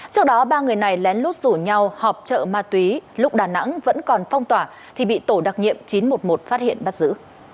trước đó ba người này lén lút rủ nhau họp chợ ma túy lúc đà nẵng vẫn còn phong tỏa thì bị tổ đặc nhiệm chín trăm một mươi một phát hiện bắt giữ